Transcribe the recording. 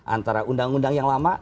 antara undang undang yang lama